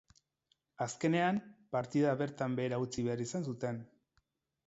Azkenean, partida bertan behera utzi behar izan zuten.